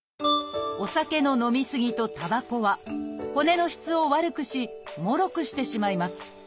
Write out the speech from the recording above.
「お酒の飲み過ぎ」と「たばこ」は骨の質を悪くしもろくしてしまいます。